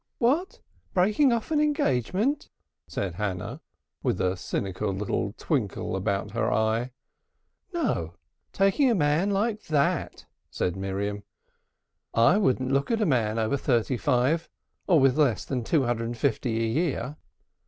"What! breaking off an engagement?" said Hannah, with a cynical little twinkle about her eye. "No, taking a man like that," replied Miriam. "I wouldn't look at a man over thirty five, or with less than two hundred and fifty a year."